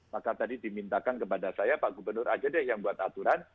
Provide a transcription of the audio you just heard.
maka tadi dimintakan kepada saya pak gubernur aja deh yang buat aturan